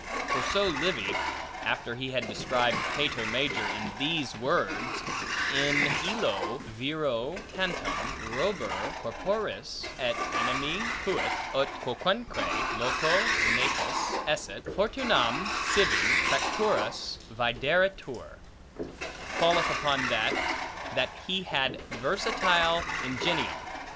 For so Livy (after he had described Cato Major in these words, In illo viro tantum robur corporis et animi fuit, ut quocunque loco natus esset, fortunam sibi facturus videretur) falleth upon that, that he had versatile ingenium.